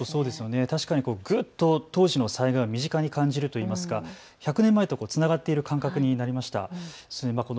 確かにぐっと当時の災害を身近に感じるといいますか１００年前とつながっている感覚になりました。